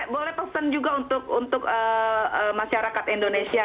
boleh pesan juga untuk masyarakat indonesia